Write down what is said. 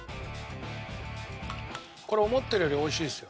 これ思ってるより美味しいですよ。